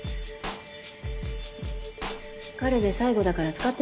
彼で最後だから使ってみて。